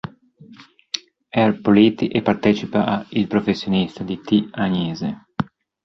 R. Politi e partecipa a "Il professionista" di T. Agnese.